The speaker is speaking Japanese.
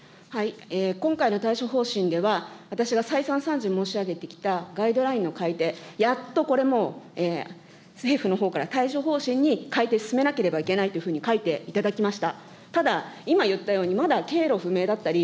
今回の対処方針では、私が再三さんじ申し上げてきた、ガイドラインの改定、やっとこれも政府のほうから対処方針に改定進めなければいけないというふうに書いていただきました。